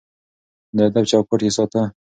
د ادب چوکاټ يې ساته.